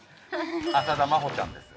浅田真帆ちゃんです。